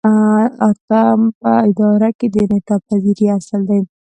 اتم په اداره کې د انعطاف پذیری اصل دی.